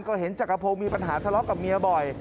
ก็เห็นจักรพงศ์มีปัญหาทะเลาะกับเมียบ่อย